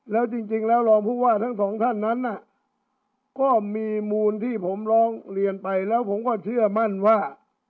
แล้วจริงแล้วรองผู้ว่าทั้งสองท่านนั้นก็มีมูลที่ผมร้องเรียนไปแล้วผมก็เชื่อมั่นว่า